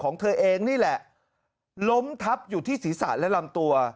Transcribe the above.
ของเธอเองนี่แหละล้มทับอยู่ที่ศีรษะและลำตัว